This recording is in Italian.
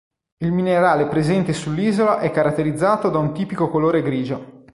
Il minerale presente sull'isola è caratterizzato da un tipico colore grigio.